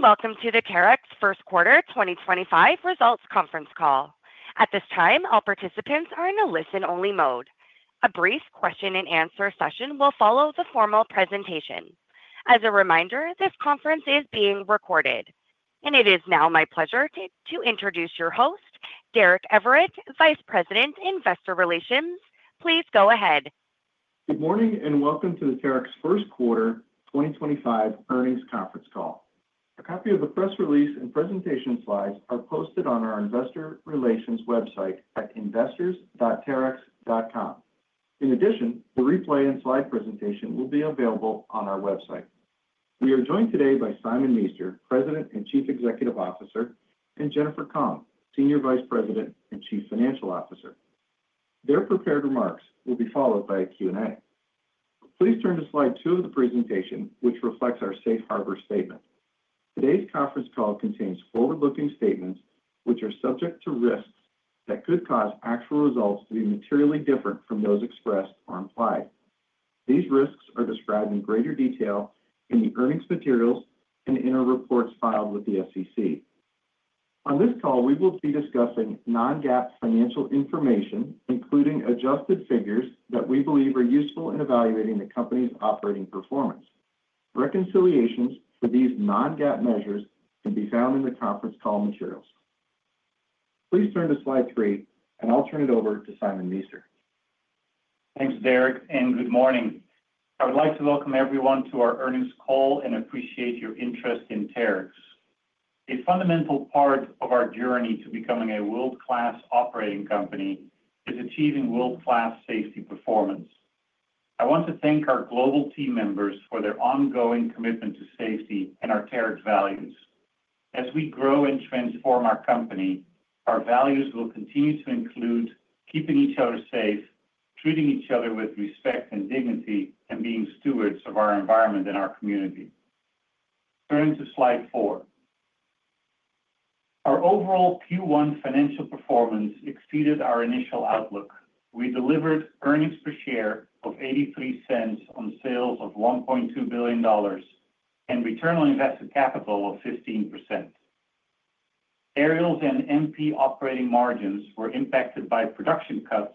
Welcome to the Terex First Quarter 2025 Results Conference Call. At this time, all participants are in a listen-only mode. A brief question-and-answer session will follow the formal presentation. As a reminder, this conference is being recorded, and it is now my pleasure to introduce your host, Derek Everitt, Vice President, Investor Relations. Please go ahead. Good morning and welcome to the Terex First Quarter 2025 Earnings Conference Call. A copy of the press release and presentation slides are posted on our Investor Relations website at investors.terex.com. In addition, the replay and slide presentation will be available on our website. We are joined today by Simon Meester, President and Chief Executive Officer, and Jennifer Kong, Senior Vice President and Chief Financial Officer. Their prepared remarks will be followed by a Q&A. Please turn to slide two of the presentation, which reflects our Safe Harbor statement. Today's conference call contains forward-looking statements which are subject to risks that could cause actual results to be materially different from those expressed or implied. These risks are described in greater detail in the earnings materials and in our reports filed with the SEC. On this call, we will be discussing non-GAAP financial information, including adjusted figures that we believe are useful in evaluating the company's operating performance. Reconciliations for these non-GAAP measures can be found in the conference call materials. Please turn to slide three, and I'll turn it over to Simon Meester. Thanks, Derek, and good morning. I would like to welcome everyone to our earnings call and appreciate your interest in Terex. A fundamental part of our journey to becoming a world-class operating company is achieving world-class safety performance. I want to thank our global team members for their ongoing commitment to safety and our Terex values. As we grow and transform our company, our values will continue to include keeping each other safe, treating each other with respect and dignity, and being stewards of our environment and our community. Turning to slide four, our overall Q1 financial performance exceeded our initial outlook. We delivered earnings per share of $0.83 on sales of $1.2 billion and return on invested capital of 15%. Aerials and MP operating margins were impacted by production cuts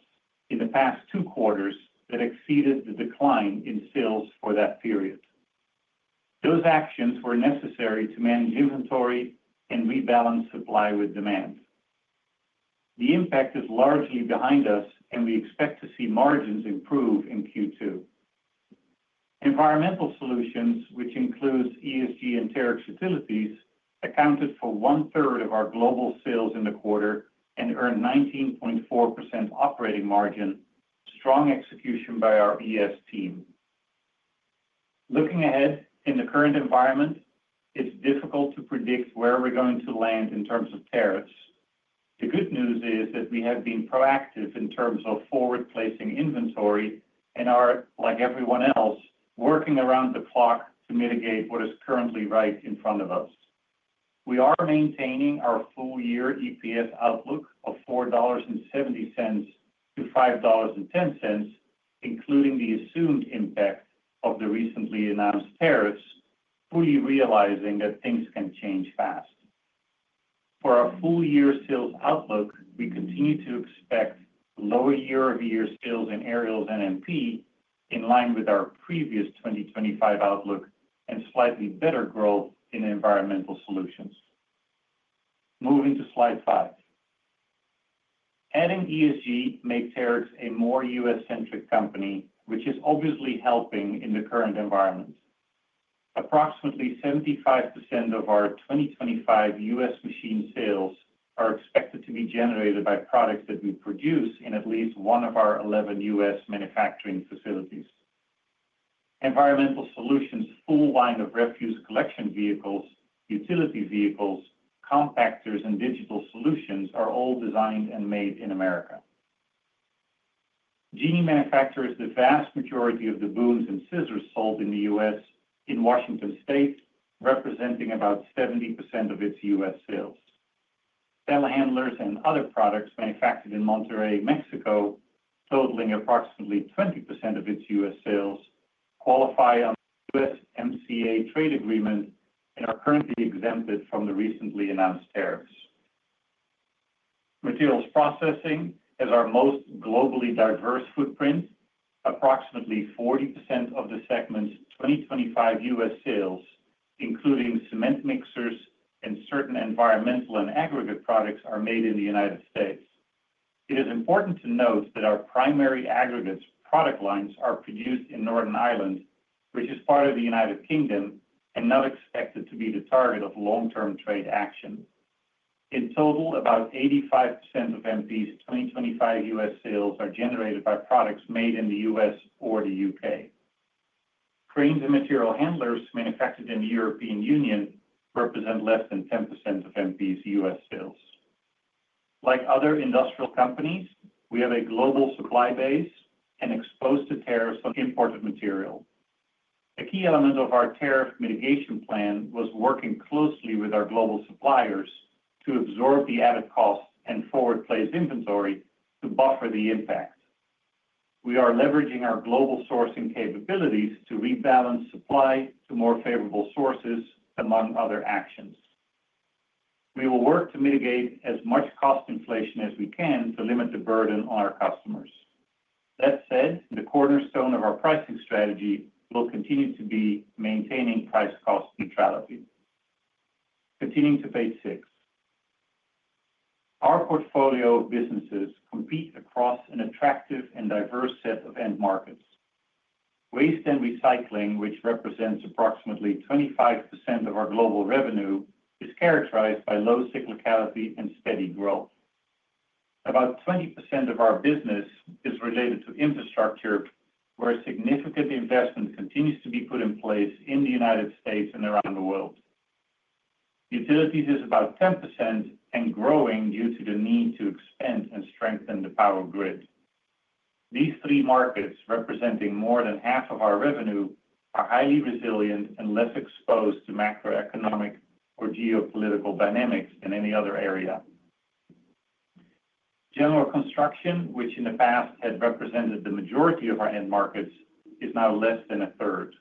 in the past two quarters that exceeded the decline in sales for that period. Those actions were necessary to manage inventory and rebalance supply with demand. The impact is largely behind us, and we expect to see margins improve in Q2. Environmental Solutions, which includes ESG and Terex Utilities, accounted for one-third of our global sales in the quarter and earned 19.4% operating margin, strong execution by our ES team. Looking ahead in the current environment, it's difficult to predict where we're going to land in terms of tariffs. The good news is that we have been proactive in terms of forward-placing inventory and are, like everyone else, working around the clock to mitigate what is currently right in front of us. We are maintaining our full-year EPS outlook of $4.70-$5.10, including the assumed impact of the recently announced tariffs, fully realizing that things can change fast. For our full-year sales outlook, we continue to expect lower year-over-year sales in aerials and MP in line with our previous 2025 outlook and slightly better growth in Environmental Solutions. Moving to slide five, adding ESG makes Terex a more U.S.-centric company, which is obviously helping in the current environment. Approximately 75% of our 2025 U.S. machine sales are expected to be generated by products that we produce in at least one of our 11 U.S. manufacturing facilities. Environmental Solutions, full line of refuse collection vehicles, utility vehicles, compactors, and digital solutions are all designed and made in America. Genie manufactures the vast majority of the booms and scissors sold in the U.S. in Washington State, representing about 70% of its U.S. sales. Telehandlers and other products manufactured in Monterrey, Mexico, totaling approximately 20% of its U.S. sales, qualify under the USMCA trade agreement and are currently exempted from the recently announced tariffs. Materials Processing has our most globally diverse footprint. Approximately 40% of the segment's 2025 U.S. sales, including cement mixers and certain environmental and aggregate products, are made in the United States. It is important to note that our primary aggregates product lines are produced in Northern Ireland, which is part of the United Kingdom and not expected to be the target of long-term trade action. In total, about 85% of MP's 2025 U.S. sales are generated by products made in the U.S. or the U.K. Cranes and material handlers manufactured in the European Union represent less than 10% of MP's U.S. sales. Like other industrial companies, we have a global supply base and are exposed to tariffs on imported material. A key element of our tariff mitigation plan was working closely with our global suppliers to absorb the added costs and forward-place inventory to buffer the impact. We are leveraging our global sourcing capabilities to rebalance supply to more favorable sources, among other actions. We will work to mitigate as much cost inflation as we can to limit the burden on our customers. That said, the cornerstone of our pricing strategy will continue to be maintaining price-cost neutrality. Continuing to page six, our portfolio of businesses compete across an attractive and diverse set of end markets. Waste and recycling, which represents approximately 25% of our global revenue, is characterized by low cyclicality and steady growth. About 20% of our business is related to infrastructure, where significant investment continues to be put in place in the United States and around the world. Utilities is about 10% and growing due to the need to expand and strengthen the power grid. These three markets, representing more than half of our revenue, are highly resilient and less exposed to macroeconomic or geopolitical dynamics than any other area. General construction, which in the past had represented the majority of our end markets, is now less than a third.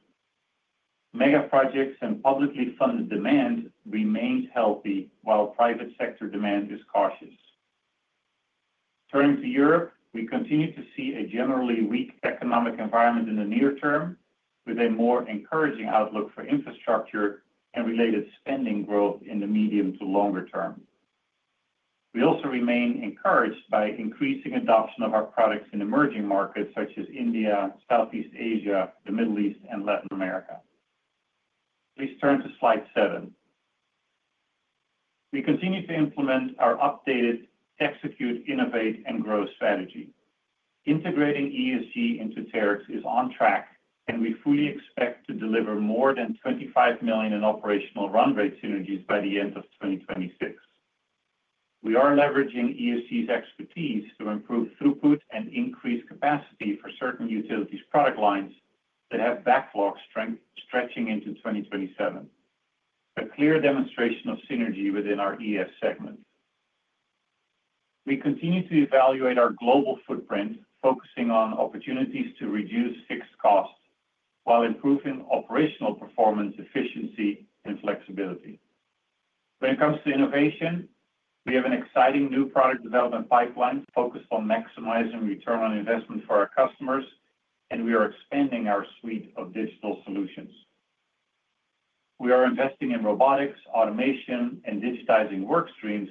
Megaprojects and publicly funded demand remain healthy, while private sector demand is cautious. Turning to Europe, we continue to see a generally weak economic environment in the near term, with a more encouraging outlook for infrastructure and related spending growth in the medium to longer term. We also remain encouraged by increasing adoption of our products in emerging markets such as India, Southeast Asia, the Middle East, and Latin America. Please turn to slide seven. We continue to implement our updated Execute, Innovate, and Grow strategy. Integrating ESG into Terex is on track, and we fully expect to deliver more than $25 million in operational run rate synergies by the end of 2026. We are leveraging ESG's expertise to improve throughput and increase capacity for certain utilities product lines that have backlogs stretching into 2027. A clear demonstration of synergy within our ESG segment. We continue to evaluate our global footprint, focusing on opportunities to reduce fixed costs while improving operational performance, efficiency, and flexibility. When it comes to innovation, we have an exciting new product development pipeline focused on maximizing return on investment for our customers, and we are expanding our suite of digital solutions. We are investing in robotics, automation, and digitizing work streams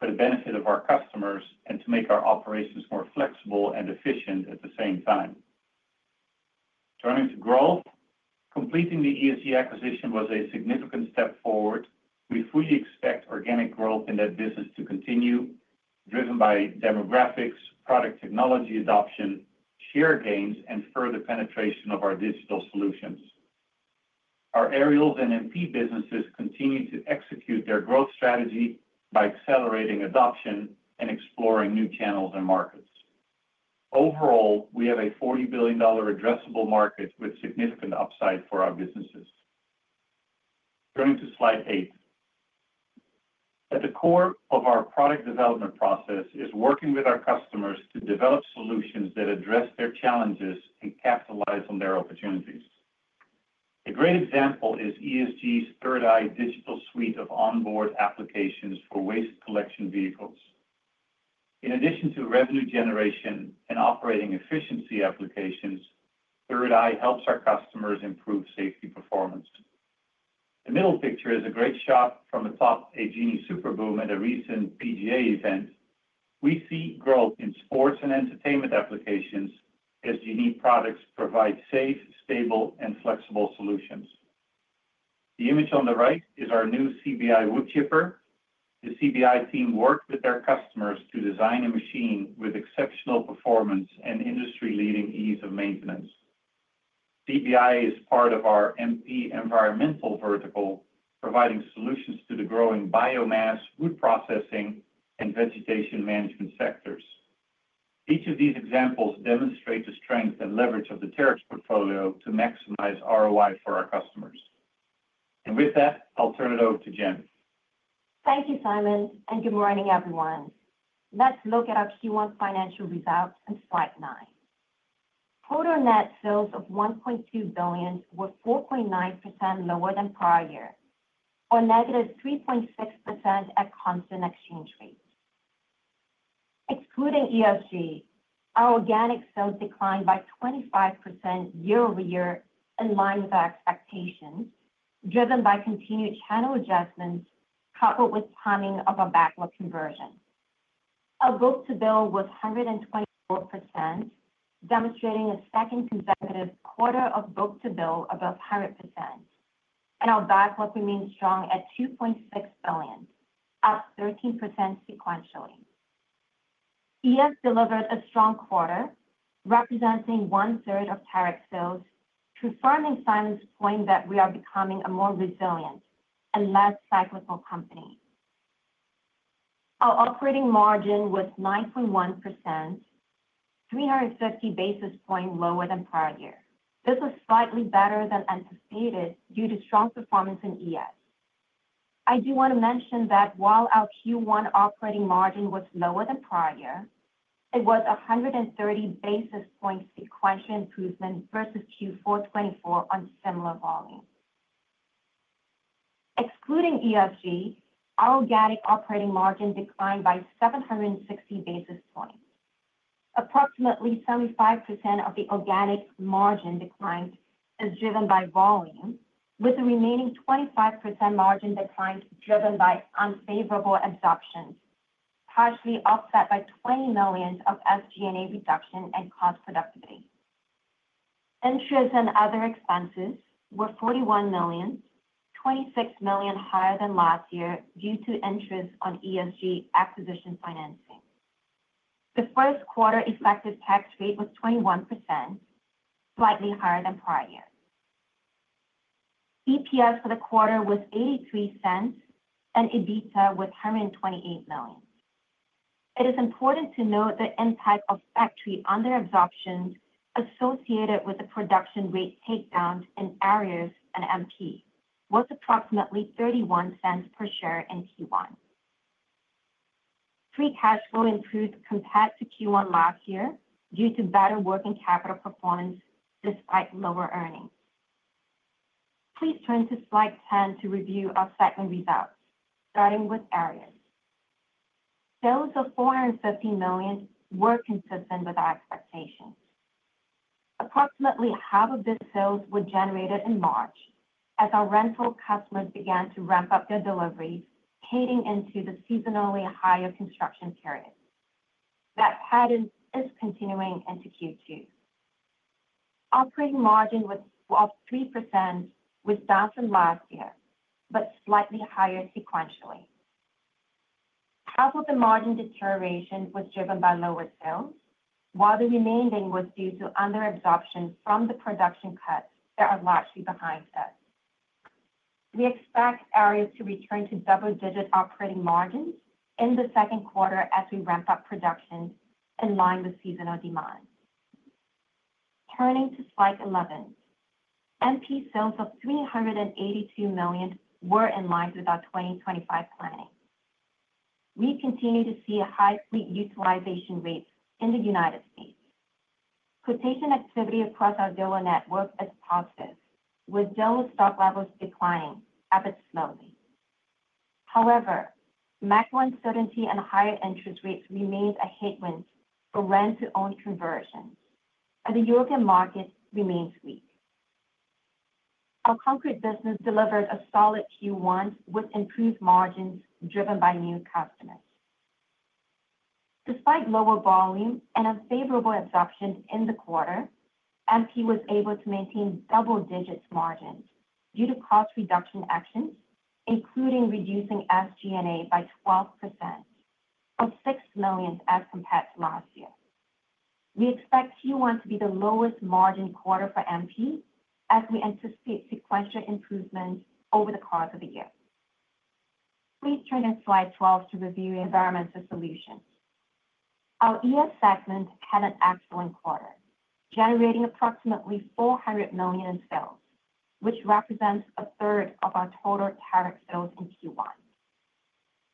for the benefit of our customers and to make our operations more flexible and efficient at the same time. Turning to growth, completing the ESG acquisition was a significant step forward. We fully expect organic growth in that business to continue, driven by demographics, product technology adoption, share gains, and further penetration of our digital solutions. Our aerials and MP businesses continue to execute their growth strategy by accelerating adoption and exploring new channels and markets. Overall, we have a $40 billion addressable market with significant upside for our businesses. Turning to slide eight, at the core of our product development process is working with our customers to develop solutions that address their challenges and capitalize on their opportunities. A great example is ESG's 3rd Eye digital suite of onboard applications for waste collection vehicles. In addition to revenue generation and operating efficiency applications, 3rd Eye helps our customers improve safety performance. The middle picture is a great shot from atop a Genie Super Boom at a recent PGA event. We see growth in sports and entertainment applications as Genie products provide safe, stable, and flexible solutions. The image on the right is our new CBI woodchipper. The CBI team worked with their customers to design a machine with exceptional performance and industry-leading ease of maintenance. CBI is part of our MP environmental vertical, providing solutions to the growing biomass, wood processing, and vegetation management sectors. Each of these examples demonstrates the strength and leverage of the tarrifs portfolio to maximize ROI for our customers. I'll turn it over to Jen. Thank you, Simon, and good morning, everyone. Let's look at our Q1 financial results and slide nine. Product net sales of $1.2 billion were 4.9% lower than prior year, or -3.6% at constant exchange rates. Excluding ESG, our organic sales declined by 25% year-over-year, in line with our expectations, driven by continued channel adjustments coupled with timing of our backlog conversion. Our book-to-bill was 124%, demonstrating a second consecutive quarter of book-to-bill above 100%. Our backlog remained strong at $2.6 billion, up 13% sequentially. ES delivered a strong quarter, representing one-third of Terex sales, confirming Simon's point that we are becoming a more resilient and less cyclical company. Our operating margin was 9.1%, 350 basis points lower than prior year. This was slightly better than anticipated due to strong performance in ES. I do want to mention that while our Q1 operating margin was lower than prior year, it was 130 basis points sequentially improvement versus Q4 2024 on similar volume. Excluding ESG, our organic operating margin declined by 760 basis points. Approximately 75% of the organic margin decline was driven by volume, with the remaining 25% margin decline driven by unfavorable absorptions, partially offset by $20 million of SG&A reduction and cost productivity. Interest and other expenses were $41 million, $26 million higher than last year due to interest on ESG acquisition financing. The first quarter effective tax rate was 21%, slightly higher than prior year. EPS for the quarter was $0.83, and EBITDA was $128 million. It is important to note the impact of factory under-absorption associated with the production rate takedown in Aerials and MP was approximately $0.31 per share in Q1. Free cash flow improved compared to Q1 last year due to better working capital performance despite lower earnings. Please turn to slide 10 to review our segment results, starting with Aerials. Sales of $450 million were consistent with our expectations. Approximately half of the sales were generated in March as our rental customers began to ramp up their deliveries, catering into the seasonally higher construction period. That pattern is continuing into Q2. Operating margin was 3%, which is down from last year, but slightly higher sequentially. Half of the margin deterioration was driven by lower sales, while the remaining was due to under-absorption from the production cuts that are largely behind us. We expect Aerials to return to double-digit operating margins in the second quarter as we ramp up production in line with seasonal demand. Turning to slide 11, MP sales of $382 million were in line with our 2025 planning. We continue to see high fleet utilization rates in the United States. Quotation activity across our dealer network is positive, with dealer stock levels declining at a slow rate. However, macro uncertainty and higher interest rates remain a headwind for rent-to-own conversion, and the European market remains weak. Our concrete business delivered a solid Q1 with improved margins driven by new customers. Despite lower volume and unfavorable absorption in the quarter, MP was able to maintain double-digit margins due to cost reduction actions, including reducing SG&A by 12%, of $6 million as compared to last year. We expect Q1 to be the lowest margin quarter for MP as we anticipate sequential improvements over the course of the year. Please turn to slide 12 to review Environmental Solutions. Our ES segment had an excellent quarter, generating approximately $400 million in sales, which represents a third of our total Terex sales in Q1.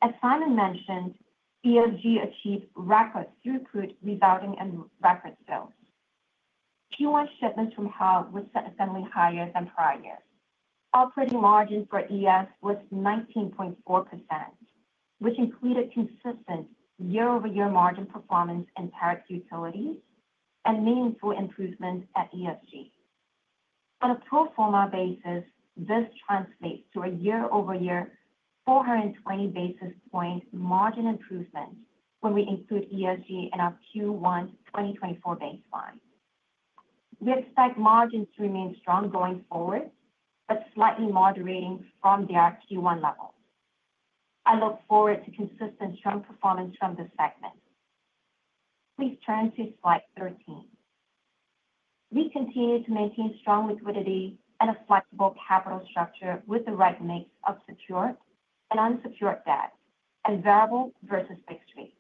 As Simon mentioned, ESG achieved record throughput resulting in record sales. Q1 shipments from hub were significantly higher than prior year. Operating margin for ES was 19.4%, which included consistent year-over-year margin performance in Terex Utilities and meaningful improvements at ESG. On a pro forma basis, this translates to a year-over-year 420 basis point margin improvement when we include ESG in our Q1 2024 baseline. We expect margins to remain strong going forward, but slightly moderating from their Q1 levels. I look forward to consistent strong performance from this segment. Please turn to slide 13. We continue to maintain strong liquidity and a flexible capital structure with the right mix of secured and unsecured debt and variable versus fixed rates.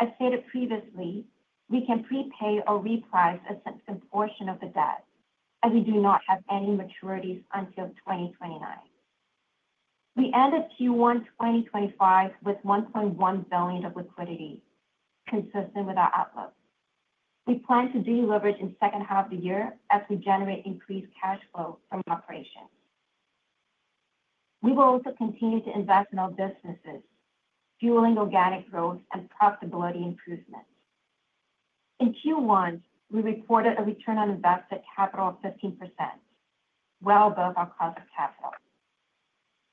As stated previously, we can prepay or reprice a significant portion of the debt, as we do not have any maturities until 2029. We ended Q1 2025 with $1.1 billion of liquidity, consistent with our outlook. We plan to deleverage in the second half of the year as we generate increased cash flow from operations. We will also continue to invest in our businesses, fueling organic growth and profitability improvements. In Q1, we reported a return on invested capital of 15%, well above our cost of capital.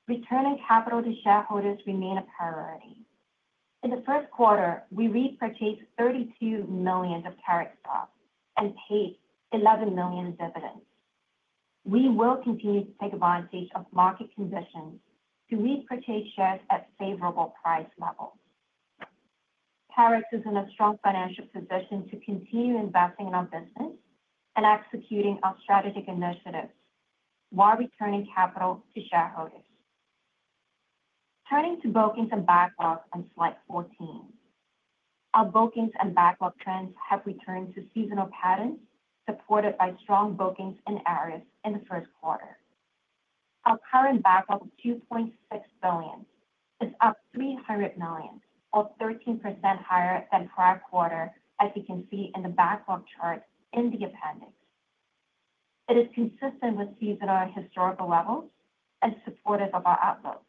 Returning capital to shareholders remains a priority. In the first quarter, we repurchased $32 million of Terex stock and paid $11 million in dividends. We will continue to take advantage of market conditions to repurchase shares at favorable price levels. Terex is in a strong financial position to continue investing in our business and executing our strategic initiatives while returning capital to shareholders. Turning to bookings and backlog on slide 14, our bookings and backlog trends have returned to seasonal patterns supported by strong bookings in Aerials in the first quarter. Our current backlog of $2.6 billion is up $300 million, or 13% higher than prior quarter, as you can see in the backlog chart in the appendix. It is consistent with seasonal historical levels and supportive of our outlook.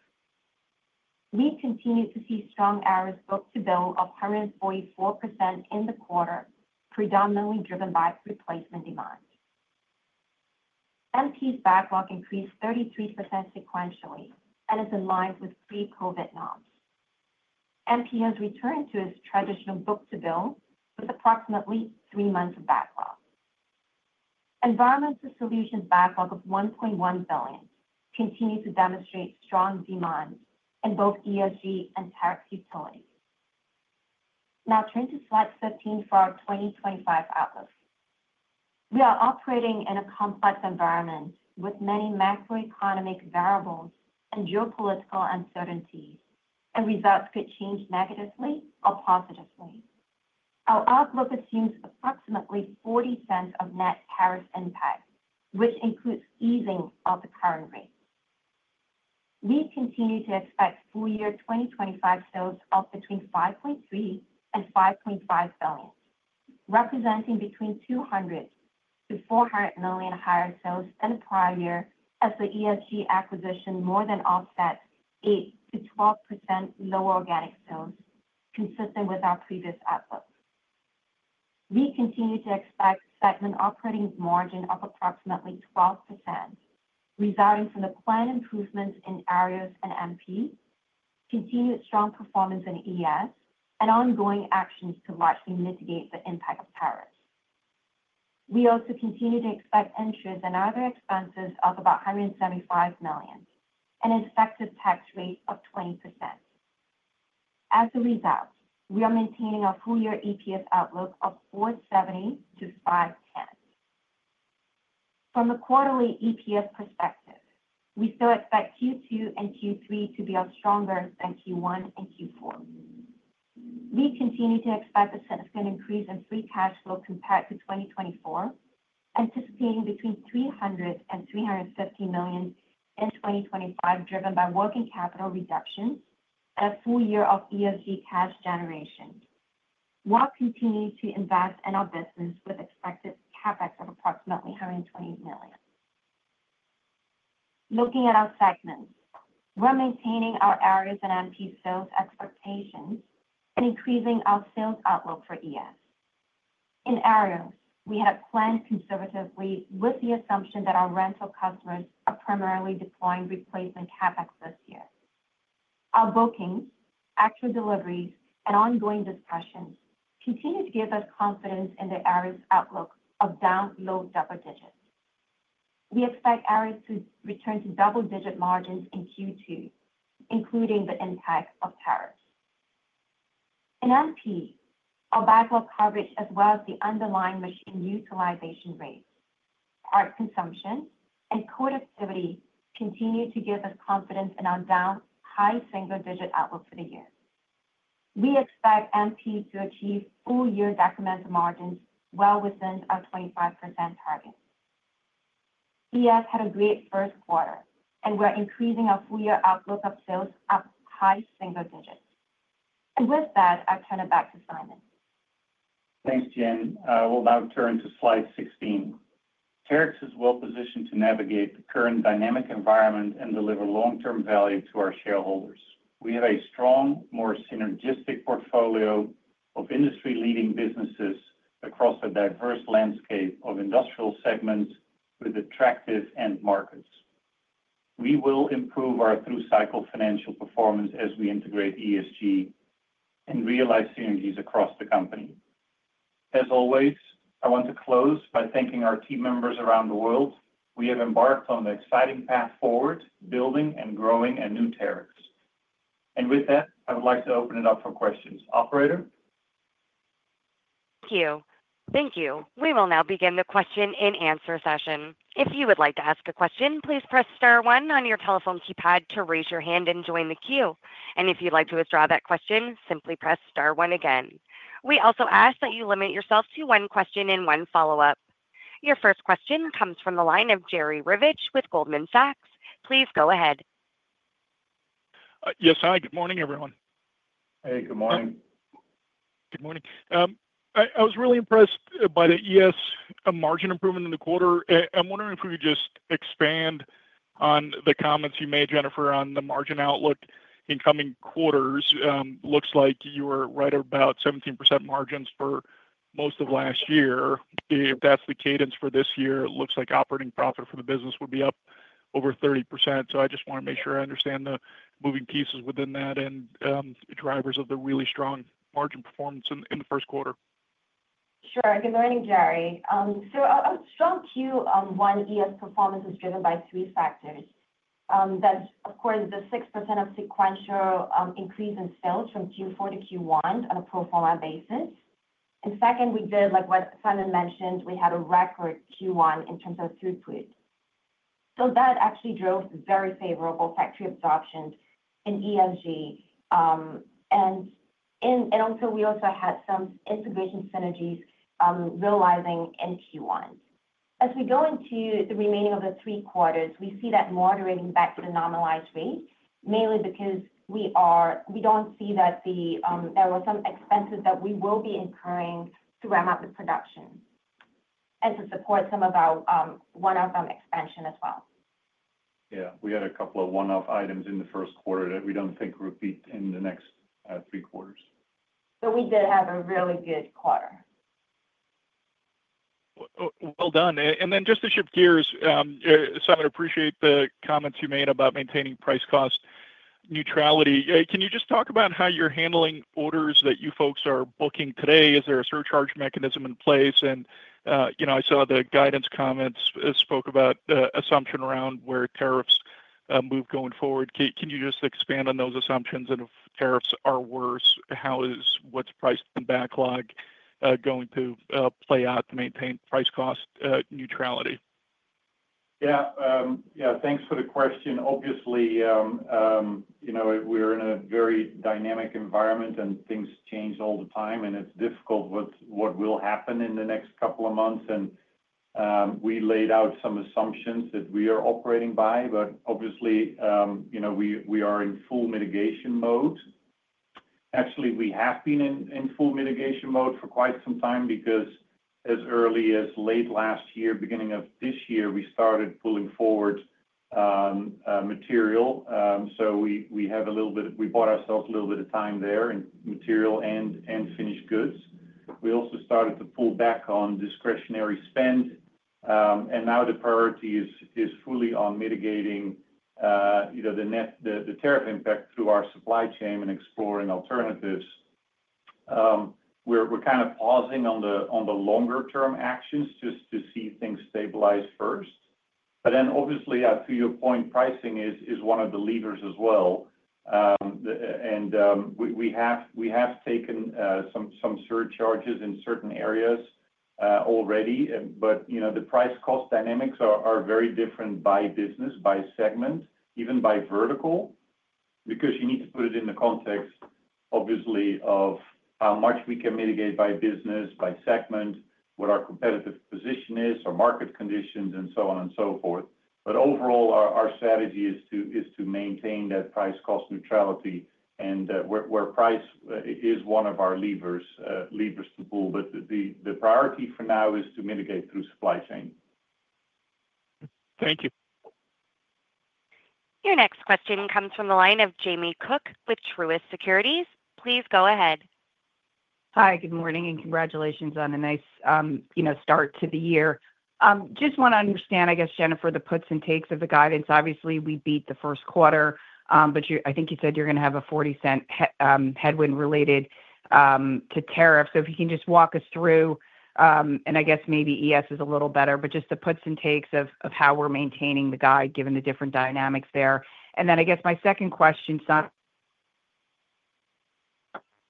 We continue to see strong Aerials book-to-bill of 144% in the quarter, predominantly driven by replacement demand. MP's backlog increased 33% sequentially and is in line with pre-COVID norms. MP has returned to its traditional book-to-bill with approximately three months of backlog. Environmental Solutions backlog of $1.1 billion continues to demonstrate strong demand in both ESG and Terex Utilities. Now, turn to slide 15 for our 2025 outlook. We are operating in a complex environment with many macroeconomic variables and geopolitical uncertainties, and results could change negatively or positively. Our outlook assumes approximately $0.40 of net tariff impact, which includes easing of the current rates. We continue to expect full-year 2025 sales of between $5.3 billion and $5.5 billion, representing between $200 million to $400 million higher sales than the prior year as the ESG acquisition more than offsets 8%-12% lower organic sales, consistent with our previous outlook. We continue to expect segment operating margin of approximately 12%, resulting from the planned improvements in AWP and MP, continued strong performance in ES, and ongoing actions to largely mitigate the impact of tariffs. We also continue to expect interest and other expenses of about $175 million and an effective tax rate of 20%. As a result, we are maintaining our full-year EPS outlook of $4.70 to $5.10. From a quarterly EPS perspective, we still expect Q2 and Q3 to be stronger than Q1 and Q4. We continue to expect a significant increase in free cash flow compared to 2024, anticipating between $300 million and $350 million in 2025, driven by working capital reductions and a full year of ESG cash generation, while continuing to invest in our business with expected CapEx of approximately $120 million. Looking at our segments, we're maintaining our Aerials and MP sales expectations and increasing our sales outlook for ES. In Aerials, we had planned conservatively with the assumption that our rental customers are primarily deploying replacement CapEx this year. Our bookings, actual deliveries, and ongoing discussions continue to give us confidence in the area's outlook of down low double digits. We expect Aerials to return to double-digit margins in Q2, including the impact of tariffs. In MP, our backlog coverage, as well as the underlying machine utilization rates, part consumption, and code activity continue to give us confidence in our down high single-digit outlook for the year. We expect MP to achieve full-year decremental margins well within our 25% target. ES had a great first quarter, and we are increasing our full-year outlook of sales up high single digits. With that, I turn it back to Simon. Thanks, Jen. We will now turn to slide 16. Terex is well positioned to navigate the current dynamic environment and deliver long-term value to our shareholders. We have a strong, more synergistic portfolio of industry-leading businesses across a diverse landscape of industrial segments with attractive end markets. We will improve our through-cycle financial performance as we integrate ESG and realize synergies across the company. As always, I want to close by thanking our team members around the world. We have embarked on the exciting path forward, building and growing a new Terex. With that, I would like to open it up for questions. Operator? Thank you. Thank you. We will now begin the question and answer session. If you would like to ask a question, please press star one on your telephone keypad to raise your hand and join the queue. If you'd like to withdraw that question, simply press star one again. We also ask that you limit yourself to one question and one follow-up. Your first question comes from the line of Jerry Revich with Goldman Sachs. Please go ahead. Yes, hi. Good morning, everyone. Hey, good morning. Good morning. I was really impressed by the ES margin improvement in the quarter. I'm wondering if we could just expand on the comments you made, Jennifer, on the margin outlook in coming quarters. Looks like you were right about 17% margins for most of last year. If that's the cadence for this year, it looks like operating profit for the business would be up over 30%. I just want to make sure I understand the moving pieces within that and drivers of the really strong margin performance in the first quarter. Sure. Good morning, Jerry. A strong Q1 ESG performance is driven by three factors. That's, of course, the 6% sequential increase in sales from Q4 to Q1 on a pro forma basis. Second, like Simon mentioned, we had a record Q1 in terms of throughput. That actually drove very favorable factory absorption in ESG. Also, we had some integration synergies realizing in Q1. As we go into the remaining of the three quarters, we see that moderating back to the normalized rate, mainly because we do not see that there were some expenses that we will be incurring to ramp up the production and to support some of our one-off expansion as well. Yeah. We had a couple of one-off items in the first quarter that we do not think repeat in the next three quarters. We did have a really good quarter. Well done. Just to shift gears, Simon, I appreciate the comments you made about maintaining price-cost neutrality. Can you just talk about how you are handling orders that you folks are booking today? Is there a surcharge mechanism in place? I saw the guidance comments spoke about the assumption around where tariffs move going forward. Can you just expand on those assumptions? If tariffs are worse, what's price and backlog going to play out to maintain price-cost neutrality? Yeah. Yeah. Thanks for the question. Obviously, we're in a very dynamic environment, and things change all the time, and it's difficult with what will happen in the next couple of months. We laid out some assumptions that we are operating by, but obviously, we are in full mitigation mode. Actually, we have been in full mitigation mode for quite some time because as early as late last year, beginning of this year, we started pulling forward material. We bought ourselves a little bit of time there in material and finished goods. We also started to pull back on discretionary spend. Now the priority is fully on mitigating the tariff impact through our supply chain and exploring alternatives. We're kind of pausing on the longer-term actions just to see things stabilize first. Obviously, to your point, pricing is one of the levers as well. We have taken some surcharges in certain areas already, but the price-cost dynamics are very different by business, by segment, even by vertical, because you need to put it in the context, obviously, of how much we can mitigate by business, by segment, what our competitive position is, our market conditions, and so on and so forth. Overall, our strategy is to maintain that price-cost neutrality, and where price is one of our levers to pull. The priority for now is to mitigate through supply chain. Thank you. Your next question comes from the line of Jamie Cook with Truist Securities. Please go ahead. Hi. Good morning, and congratulations on a nice start to the year. Just want to understand, I guess, Jennifer, the puts and takes of the guidance. Obviously, we beat the first quarter, but I think you said you're going to have a $0.40 headwind related to tariffs. If you can just walk us through, and I guess maybe ES is a little better, but just the puts and takes of how we're maintaining the guide given the different dynamics there. I guess my second question is on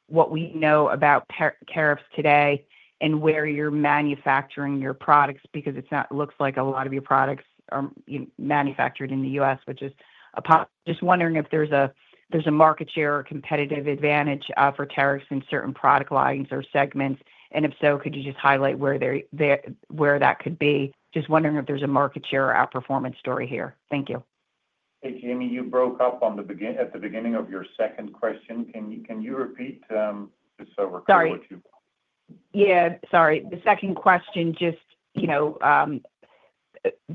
what we know about tariffs today and where you're manufacturing your products because it looks like a lot of your products are manufactured in the U.S., which is a problem. Just wondering if there's a market share or competitive advantage for tariffs in certain product lines or segments. If so, could you just highlight where that could be? Just wondering if there's a market share or outperformance story here. Thank you. Hey, Jamie, you broke up at the beginning of your second question. Can you repeat just so we're clear what you— Sorry. Yeah. Sorry. The second question, just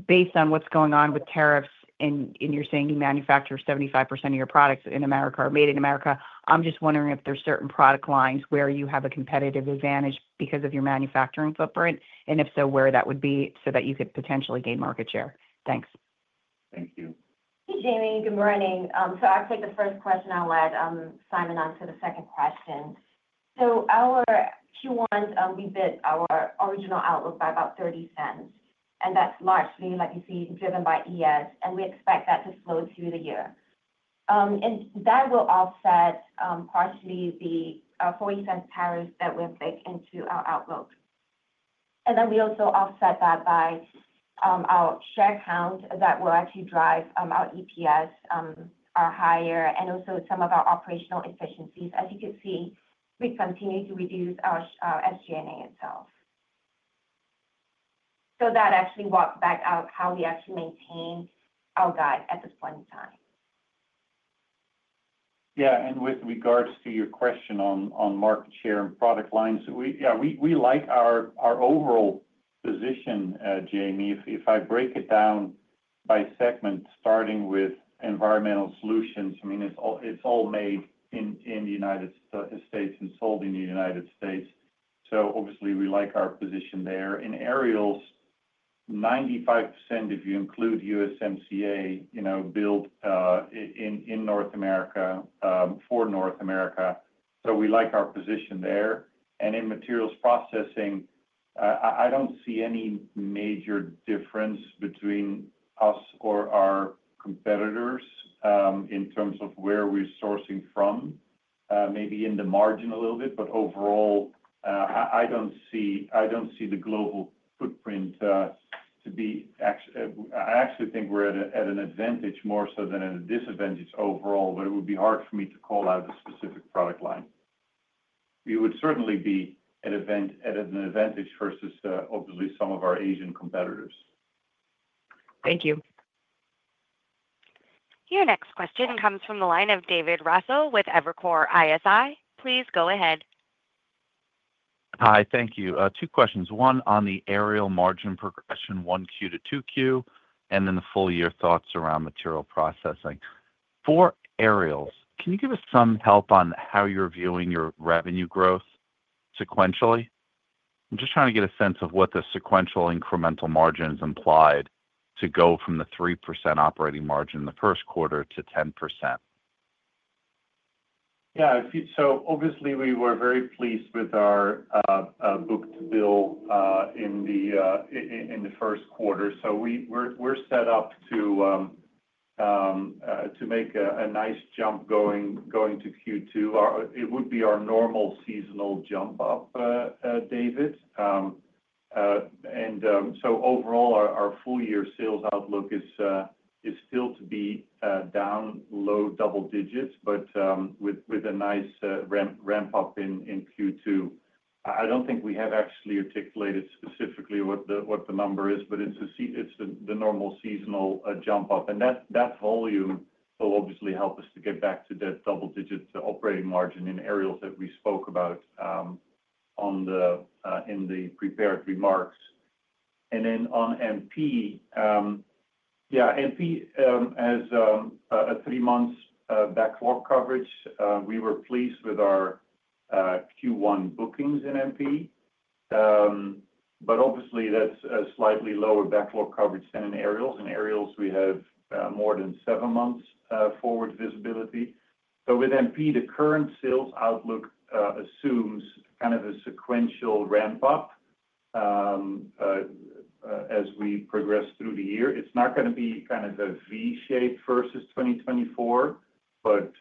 based on what's going on with tariffs, and you're saying you manufacture 75% of your products in America or made in America, I'm just wondering if there's certain product lines where you have a competitive advantage because of your manufacturing footprint, and if so, where that would be so that you could potentially gain market share. Thanks. Thank you. Hey, Jamie. Good morning. I'll take the first question. I'll let Simon answer the second question. Our Q1, we bit our original outlook by about $0.30, and that's largely, like you see, driven by ES, and we expect that to flow through the year. That will offset partially the $0.40 tariffs that went back into our outlook. We also offset that by our share count that will actually drive our EPS higher and also some of our operational efficiencies. As you can see, we continue to reduce our SG&A itself. That actually walks back out how we actually maintain our guide at this point in time. Yeah. With regards to your question on market share and product lines, yeah, we like our overall position, Jamie. If I break it down by segment, starting with Environmental Solutions, I mean, it's all made in the United States and sold in the United States. Obviously, we like our position there. In aerials, 95%, if you include USMCA, built in North America for North America. We like our position there. In Materials Processing, I do not see any major difference between us or our competitors in terms of where we are sourcing from, maybe in the margin a little bit. Overall, I do not see the global footprint to be—I actually think we are at an advantage more so than a disadvantage overall, but it would be hard for me to call out a specific product line. We would certainly be at an advantage versus, obviously, some of our Asian competitors. Thank you. Your next question comes from the line of David Russell with Evercore ISI. Please go ahead. Hi. Thank you. Two questions. One on the aerial margin progression, one Q to two Q, and then the full-year thoughts around material processing. For aerials, can you give us some help on how you are viewing your revenue growth sequentially? I'm just trying to get a sense of what the sequential incremental margins implied to go from the 3% operating margin in the first quarter to 10%. Yeah. Obviously, we were very pleased with our book-to-bill in the first quarter. We're set up to make a nice jump going to Q2. It would be our normal seasonal jump up, David. Overall, our full-year sales outlook is still to be down low double digits, but with a nice ramp up in Q2. I don't think we have actually articulated specifically what the number is, but it's the normal seasonal jump up. That volume will obviously help us to get back to that double-digit operating margin in aerials that we spoke about in the prepared remarks. On MP, yeah, MP has a three-month backlog coverage. We were pleased with our Q1 bookings in MP, but obviously, that's a slightly lower backlog coverage than in aerials. In aerials, we have more than seven months forward visibility. With MP, the current sales outlook assumes kind of a sequential ramp up as we progress through the year. It's not going to be kind of a V-shape versus 2024, but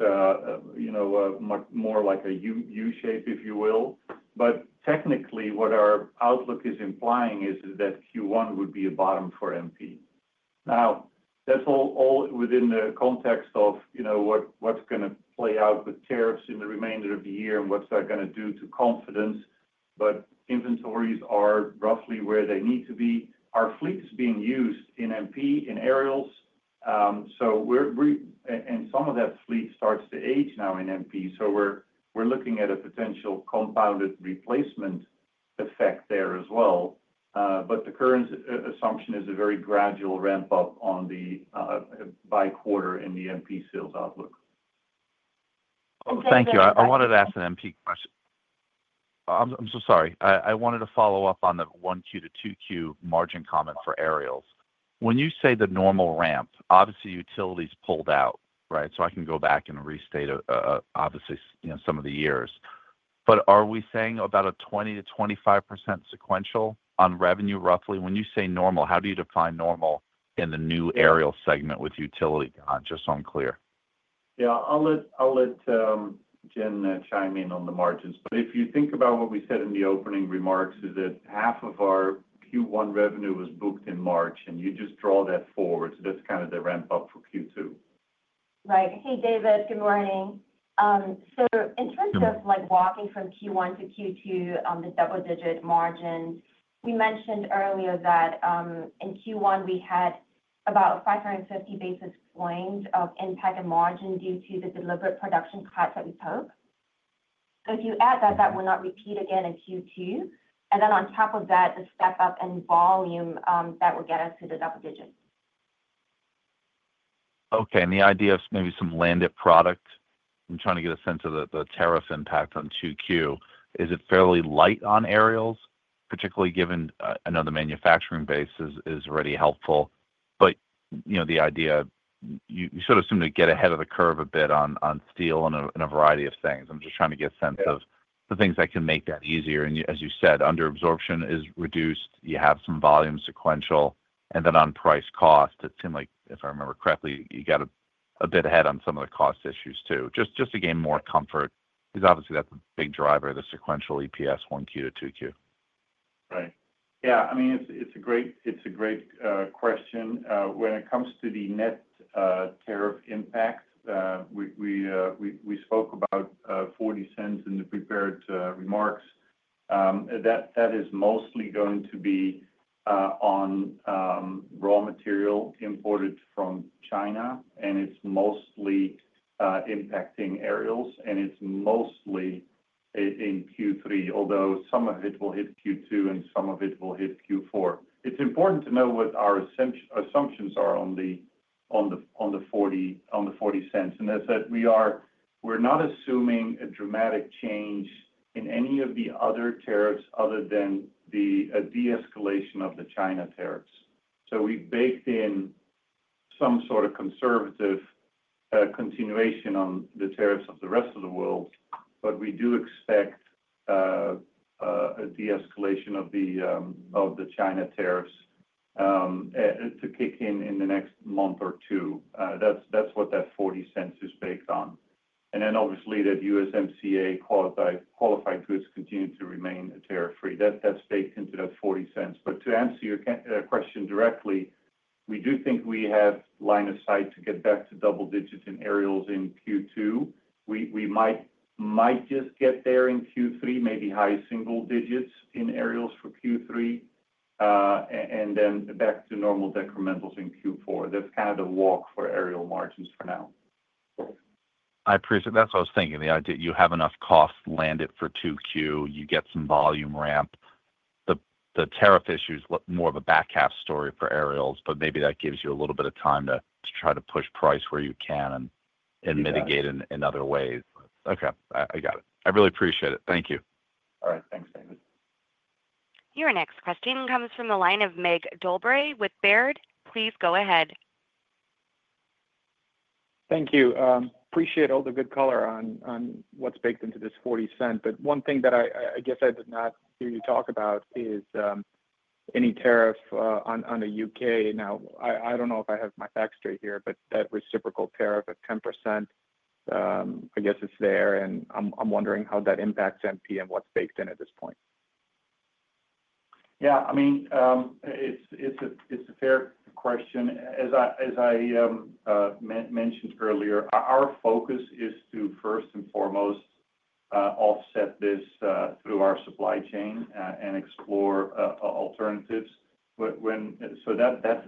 much more like a U-shape, if you will. Technically, what our outlook is implying is that Q1 would be a bottom for MP. Now, that's all within the context of what's going to play out with tariffs in the remainder of the year and what's that going to do to confidence. Inventories are roughly where they need to be. Our fleet is being used in MP, in aerials. Some of that fleet starts to age now in MP. We're looking at a potential compounded replacement effect there as well. The current assumption is a very gradual ramp up by quarter in the MP sales outlook. Thank you. I wanted to ask an MP question. I'm sorry. I wanted to follow up on the 1Q to 2Q margin comment for aerials. When you say the normal ramp, obviously, utilities pulled out, right? I can go back and restate, obviously, some of the years. Are we saying about a 20-25% sequential on revenue, roughly? When you say normal, how do you define normal in the new aerial segment with utility? I'm just unclear. Yeah. I'll let Jen chime in on the margins. If you think about what we said in the opening remarks, half of our Q1 revenue was booked in March, and you just draw that forward. That is kind of the ramp up for Q2. Right. Hey, David, good morning. In terms of walking from Q1 to Q2 on the double-digit margins, we mentioned earlier that in Q1, we had about 550 basis points of impact in margin due to the deliberate production cuts that we took. If you add that, that will not repeat again in Q2. On top of that, the step-up in volume will get us to the double digits. Okay. The idea of maybe some landed product, I am trying to get a sense of the tariff impact on Q2. Is it fairly light on aerials, particularly given I know the manufacturing base is already helpful, but the idea you sort of seem to get ahead of the curve a bit on steel and a variety of things. I'm just trying to get a sense of the things that can make that easier. As you said, underabsorption is reduced. You have some volume sequential. On price-cost, it seemed like, if I remember correctly, you got a bit ahead on some of the cost issues too, just to gain more comfort. Because obviously, that's a big driver of the sequential EPS, one Q to two Q. Right. Yeah. I mean, it's a great question. When it comes to the net tariff impact, we spoke about $0.40 in the prepared remarks. That is mostly going to be on raw material imported from China, and it's mostly impacting aerials, and it's mostly in Q3, although some of it will hit Q2 and some of it will hit Q4. It's important to know what our assumptions are on the $0.40. That's that we are not assuming a dramatic change in any of the other tariffs other than the de-escalation of the China tariffs. We have baked in some sort of conservative continuation on the tariffs of the rest of the world, but we do expect a de-escalation of the China tariffs to kick in in the next month or two. That's what that $0.40 is based on. Obviously, USMCA qualified goods continue to remain tariff-free. That's baked into that $0.40. To answer your question directly, we do think we have line of sight to get back to double digit in aerials in Q2. We might just get there in Q3, maybe high single digits in aerials for Q3, and then back to normal decrementals in Q4. That is kind of the walk for aerial margins for now. I appreciate that. That is what I was thinking. You have enough costs, land it for two Q. You get some volume ramp. The tariff issue is more of a back half story for aerials, but maybe that gives you a little bit of time to try to push price where you can and mitigate in other ways. Okay. I got it. I really appreciate it. Thank you. All right. Thanks, David. Your next question comes from the line of Mig Dobre with Baird. Please go ahead. Thank you. Appreciate all the good color on what's baked into this $0.40. One thing that I guess I did not hear you talk about is any tariff on the U.K. I do not know if I have my facts straight here, but that reciprocal tariff of 10%, I guess it is there, and I am wondering how that impacts MP and what is baked in at this point. I mean, it is a fair question. As I mentioned earlier, our focus is to, first and foremost, offset this through our supply chain and explore alternatives. That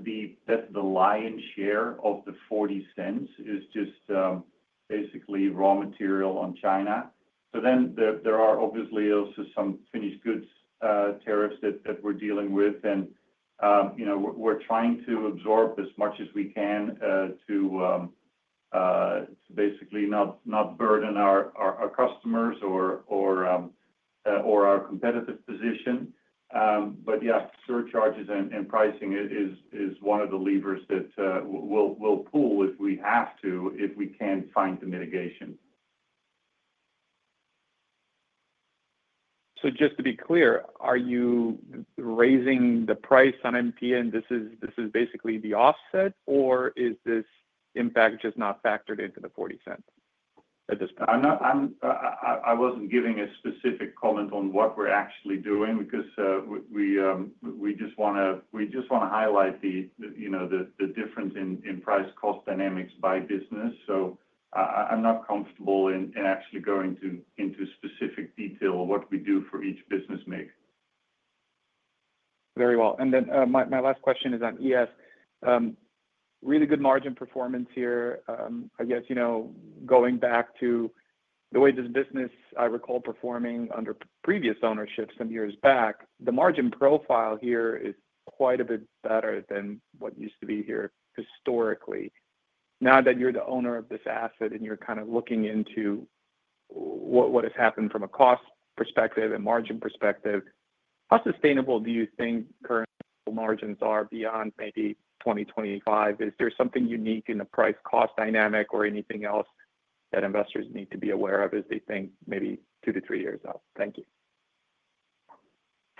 is the lion's share of the $0.40, it is just basically raw material on China. There are obviously also some finished goods tariffs that we are dealing with, and we are trying to absorb as much as we can to basically not burden our customers or our competitive position. Yeah, surcharges and pricing is one of the levers that we'll pull if we have to, if we can't find the mitigation. Just to be clear, are you raising the price on MP and this is basically the offset, or is this impact just not factored into the $0.40 at this point? I wasn't giving a specific comment on what we're actually doing because we just want to highlight the difference in price-cost dynamics by business. I'm not comfortable in actually going into specific detail of what we do for each business, Meg. Very well. My last question is on ES. Really good margin performance here. I guess going back to the way this business, I recall, performing under previous ownership some years back, the margin profile here is quite a bit better than what used to be here historically. Now that you're the owner of this asset and you're kind of looking into what has happened from a cost perspective and margin perspective, how sustainable do you think current margins are beyond maybe 2025? Is there something unique in the price-cost dynamic or anything else that investors need to be aware of as they think maybe two to three years out? Thank you.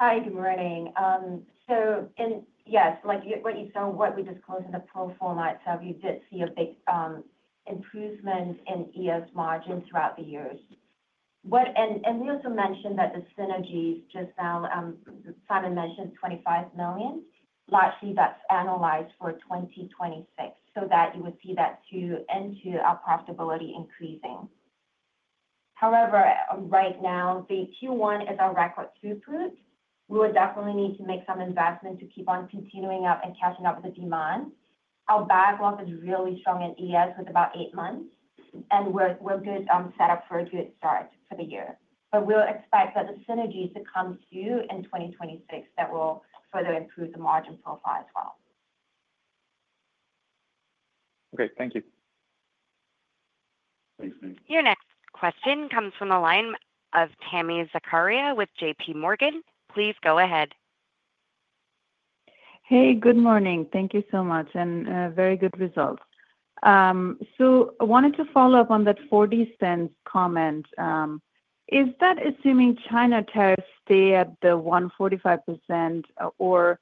Hi. Good morning. Yes, what you saw, what we disclosed in the pro forma itself, you did see a big improvement in ES margins throughout the years. We also mentioned that the synergies just now, Simon mentioned $25 million. Largely, that's annualized for 2026 so that you would see that too into our profitability increasing. However, right now, the Q1 is our record throughput. We would definitely need to make some investment to keep on continuing up and catching up with the demand. Our backlog is really strong in ES with about eight months, and we're good set up for a good start for the year. We expect that the synergies to come through in 2026 that will further improve the margin profile as well. Thank you. Thanks, Mig. Your next question comes from the line of Tami Zakaria with JP Morgan. Please go ahead. Hey, good morning. Thank you so much. Very good results. I wanted to follow up on that $0.40 comment. Is that assuming China tariffs stay at the 145%, or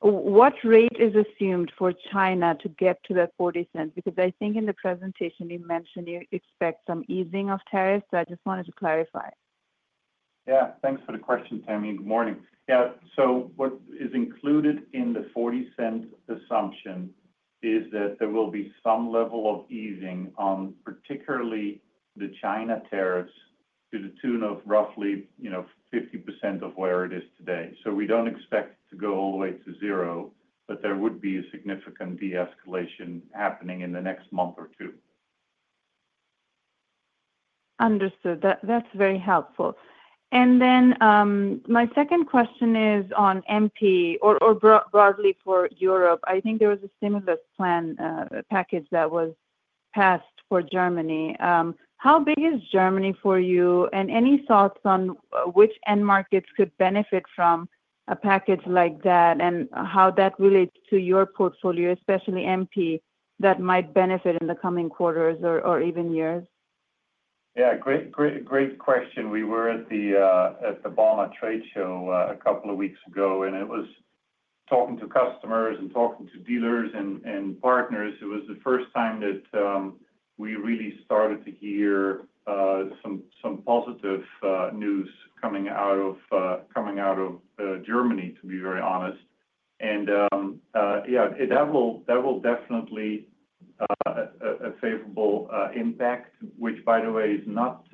what rate is assumed for China to get to that $0.40? Because I think in the presentation, you mentioned you expect some easing of tariffs. I just wanted to clarify. Yeah. Thanks for the question, Tami. Good morning. Yeah. What is included in the $0.40 assumption is that there will be some level of easing on particularly the China tariffs to the tune of roughly 50% of where it is today. We do not expect to go all the way to zero, but there would be a significant de-escalation happening in the next month or two. Understood. That is very helpful. My second question is on MP or broadly for Europe. I think there was a stimulus plan package that was passed for Germany. How big is Germany for you? Any thoughts on which end markets could benefit from a package like that and how that relates to your portfolio, especially MP, that might benefit in the coming quarters or even years? Yeah. Great question. We were at the Bauma Trade Show a couple of weeks ago, and it was talking to customers and talking to dealers and partners. It was the first time that we really started to hear some positive news coming out of Germany, to be very honest. Yeah, that will definitely have a favorable impact, which, by the way, is not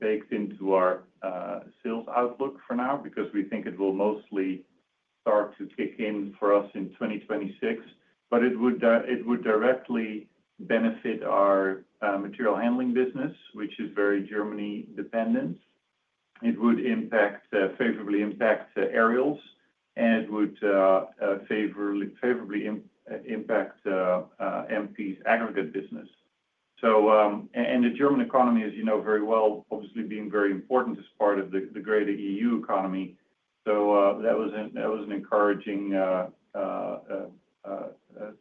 baked into our sales outlook for now because we think it will mostly start to kick in for us in 2026. It would directly benefit our material handling business, which is very Germany-dependent. It would favorably impact aerials, and it would favorably impact MP's aggregate business. The German economy, as you know very well, obviously being very important as part of the greater EU economy. That was an encouraging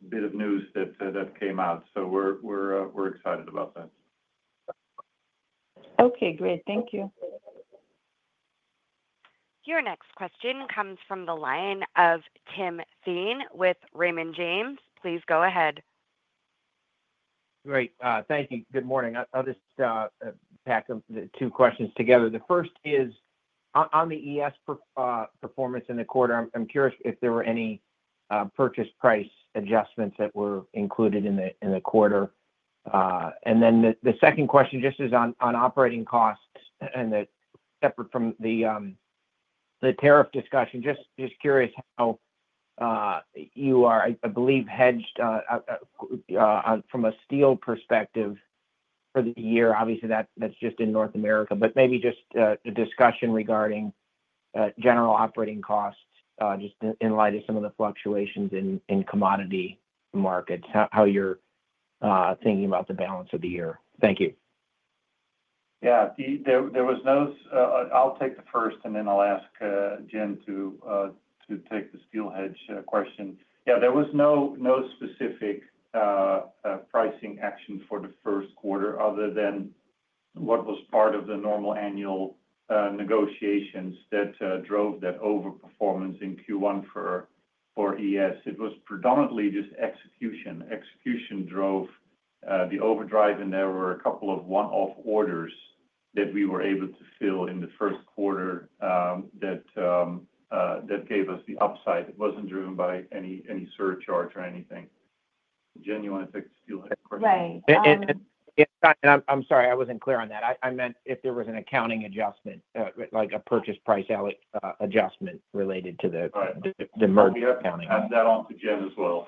bit of news that came out. We're excited about that. Okay. Great. Thank you. Your next question comes from the line of Tim Thein with Raymond James. Please go ahead. Great. Thank you. Good morning. I'll just pack two questions together. The first is on the ES performance in the quarter. I'm curious if there were any purchase price adjustments that were included in the quarter. The second question just is on operating costs and separate from the tariff discussion. Just curious how you are, I believe, hedged from a steel perspective for the year. Obviously, that's just in North America. Maybe just a discussion regarding general operating costs just in light of some of the fluctuations in commodity markets, how you're thinking about the balance of the year. Thank you. Yeah. I'll take the first, and then I'll ask Jen to take the steel hedge question. Yeah. There was no specific pricing action for the first quarter other than what was part of the normal annual negotiations that drove that overperformance in Q1 for ES. It was predominantly just execution. Execution drove the overdrive, and there were a couple of one-off orders that we were able to fill in the first quarter that gave us the upside. It was not driven by any surcharge or anything. Jenny, you want to take the steel hedge question? Right. I am sorry. I was not clear on that. I meant if there was an accounting adjustment, like a purchase price adjustment related to the merger accounting. I will add that on to Jen as well.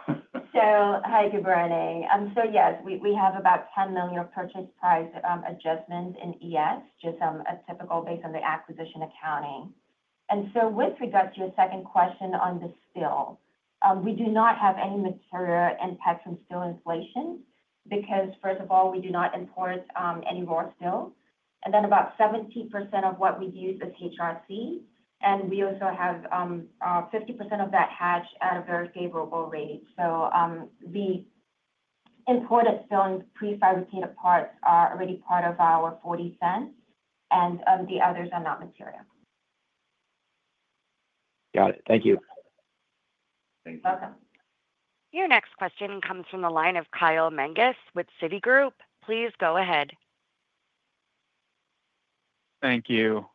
Hi, good morning. Yes, we have about $10 million purchase price adjustments in ES, just a typical based on the acquisition accounting. With regard to your second question on the steel, we do not have any material impact from steel inflation because, first of all, we do not import any raw steel. About 70% of what we use is HRC, and we also have 50% of that hedged at a very favorable rate. The imported steel and prefabricated parts are already part of our $0.40, and the others are not material. Got it. Thank you. Thank you. You're welcome. Your next question comes from the line of Kyle Menges with Citigroup. Please go ahead. Thank you.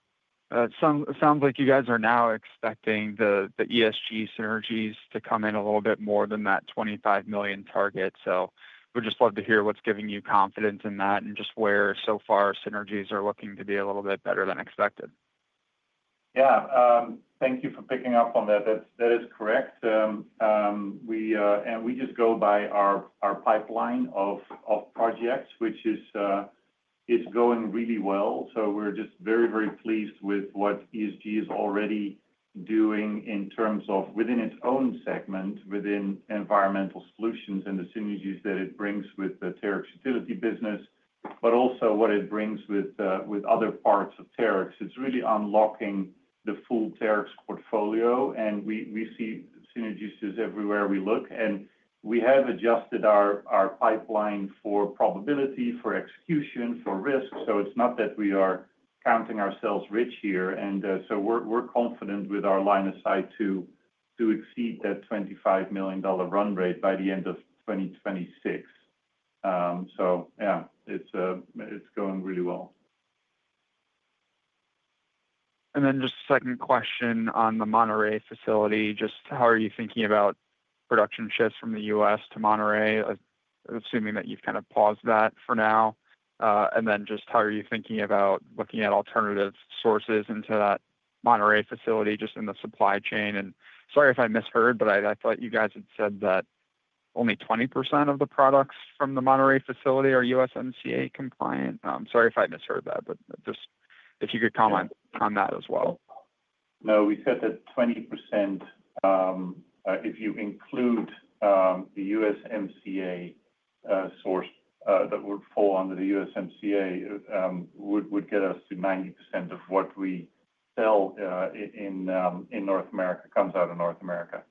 It sounds like you guys are now expecting the ESG synergies to come in a little bit more than that $25 million target. We'd just love to hear what's giving you confidence in that and just where so far synergies are looking to be a little bit better than expected. Yeah. Thank you for picking up on that. That is correct. We just go by our pipeline of projects, which is going really well. We're just very, very pleased with what ESG is already doing in terms of within its own segment, within Environmental Solutions and the synergies that it brings with the utility business, but also what it brings with other parts of Terex. It's really unlocking the full Terex portfolio, and we see synergies everywhere we look. We have adjusted our pipeline for probability, for execution, for risk. It's not that we are counting ourselves rich here. We're confident with our line of sight to exceed that $25 million run rate by the end of 2026. Yeah, it's going really well. Just a second question on the Monterrey facility. How are you thinking about production shifts from the U.S. to Monterrey? Assuming that you've kind of paused that for now. How are you thinking about looking at alternative sources into that Monterrey facility in the supply chain? Sorry if I misheard, but I thought you guys had said that only 20% of the products from the Monterrey facility are USMCA compliant. Sorry if I misheard that, but if you could comment on that as well. No, we said that 20%, if you include the USMCA source that would fall under the USMCA, would get us to 90% of what we sell in North America, comes out of North America.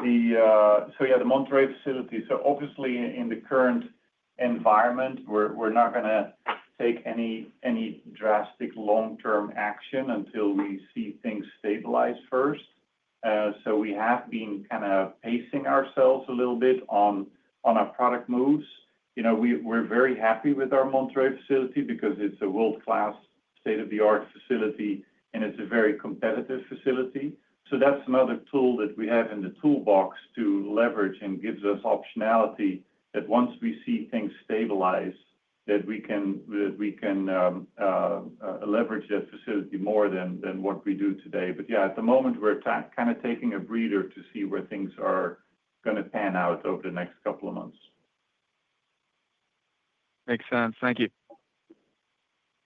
Yeah, the Monterrey facility. Obviously, in the current environment, we're not going to take any drastic long-term action until we see things stabilize first. We have been kind of pacing ourselves a little bit on our product moves. We're very happy with our Monterrey facility because it's a world-class state-of-the-art facility, and it's a very competitive facility. That's another tool that we have in the toolbox to leverage and gives us optionality that once we see things stabilize, we can leverage that facility more than what we do today. Yeah, at the moment, we're kind of taking a breather to see where things are going to pan out over the next couple of months. Makes sense. Thank you. Thank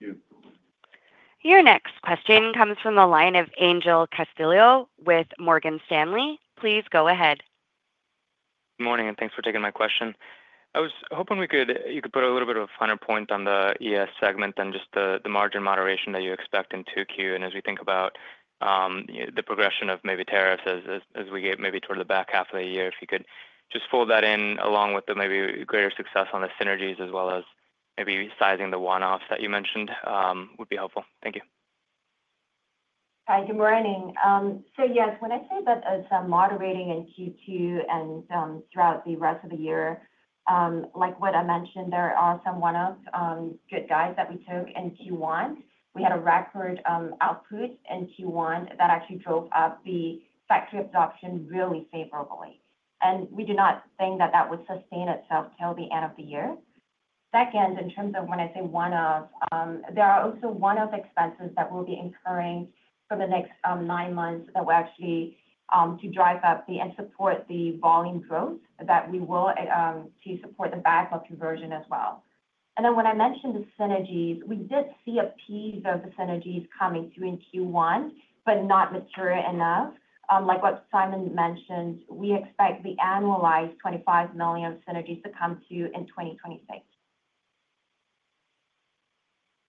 you. Your next question comes from the line of Angel Castillo with Morgan Stanley. Please go ahead. Good morning, and thanks for taking my question. I was hoping you could put a little bit of a finer point on the ES segment and just the margin moderation that you expect in 2Q and as we think about the progression of maybe tariffs as we get maybe toward the back half of the year. If you could just fold that in along with the maybe greater success on the synergies as well as maybe sizing the one-offs that you mentioned would be helpful. Thank you. Hi. Good morning. Yes, when I say that it's moderating in Q2 and throughout the rest of the year, like what I mentioned, there are some one-off good guys that we took in Q1. We had a record output in Q1 that actually drove up the factory absorption really favorably. We do not think that that would sustain itself till the end of the year. Second, in terms of when I say one-off, there are also one-off expenses that will be incurring for the next nine months that will actually drive up and support the volume growth that we will to support the backlog conversion as well. When I mentioned the synergies, we did see a piece of the synergies coming through in Q1, but not material enough. Like what Simon mentioned, we expect the annualized $25 million synergies to come to in 2026.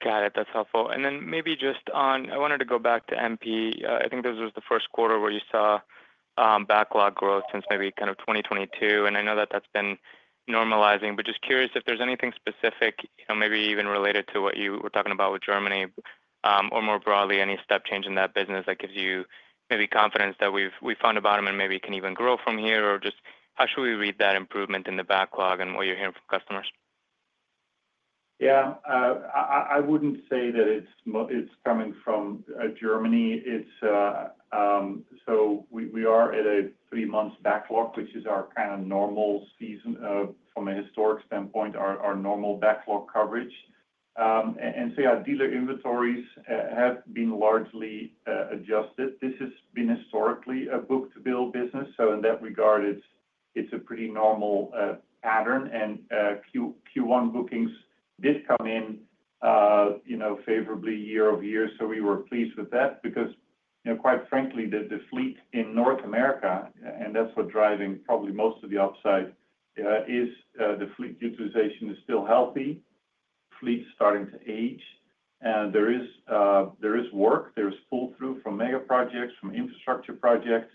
Got it. That's helpful. Maybe just on I wanted to go back to MP. I think this was the first quarter where you saw backlog growth since maybe kind of 2022. I know that that's been normalizing, but just curious if there's anything specific, maybe even related to what you were talking about with Germany or more broadly, any step change in that business that gives you maybe confidence that we found a bottom and maybe can even grow from here or just how should we read that improvement in the backlog and what you're hearing from customers? Yeah. I wouldn't say that it's coming from Germany. We are at a three-month backlog, which is our kind of normal season from a historic standpoint, our normal backlog coverage. Dealer inventories have been largely adjusted. This has been historically a book-to-bill business. In that regard, it's a pretty normal pattern. Q1 bookings did come in favorably year over year. We were pleased with that because, quite frankly, the fleet in North America, and that's what's driving probably most of the upside, is the fleet utilization is still healthy. Fleet's starting to age. There is work. There's pull-through from megaprojects, from infrastructure projects.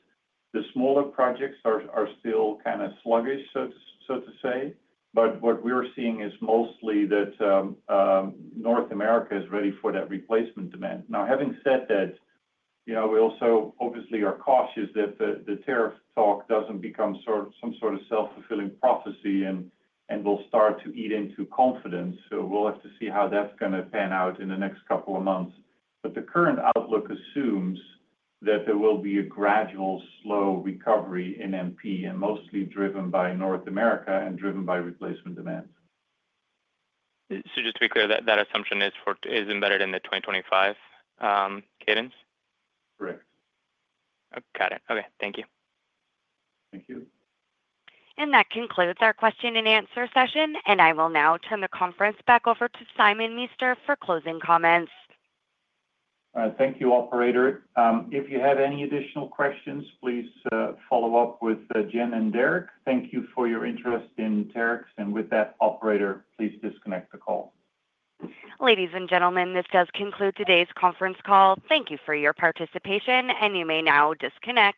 The smaller projects are still kind of sluggish, so to say. What we're seeing is mostly that North America is ready for that replacement demand. Having said that, we also obviously are cautious that the tariff talk does not become some sort of self-fulfilling prophecy and will start to eat into confidence. We will have to see how that's going to pan out in the next couple of months. The current outlook assumes that there will be a gradual slow recovery in MP and mostly driven by North America and driven by replacement demands. Just to be clear, that assumption is embedded in the 2025 cadence? Correct. Got it. Okay. Thank you. Thank you. That concludes our question and answer session. I will now turn the conference back over to Simon Meester for closing comments. All right. Thank you, Operator. If you have any additional questions, please follow up with Jen and Derek. Thank you for your interest in Terex. With that, Operator, please disconnect the call. Ladies and gentlemen, this does conclude today's conference call. Thank you for your participation, and you may now disconnect.